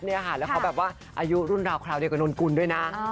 แล้วเขาแบบว่าอายุรุ่นราวคราวเดียวกับนนกุลด้วยนะ